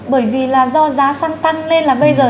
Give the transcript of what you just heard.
bởi vì là do giá xăng tăng nên là bây giờ